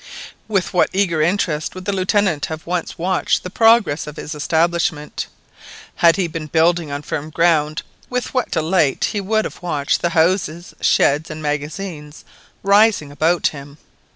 With what eager interest would the Lieutenant have once watched the progress of his establishment! Had he been building on firm ground, with what delight would he have watched the houses, sheds, and magazines rising around him!